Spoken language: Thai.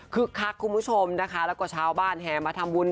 คักคุณผู้ชมนะคะแล้วก็ชาวบ้านแห่มาทำบุญ